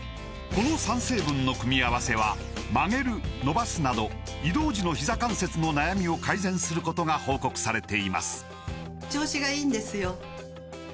この３成分の組み合わせは曲げる伸ばすなど移動時のひざ関節の悩みを改善することが報告されています